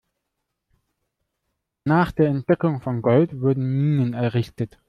Nach der Entdeckung von Gold wurden Minen errichtet.